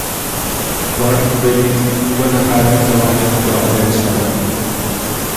با این بلیط دو نفر میتوانند داخل شوند.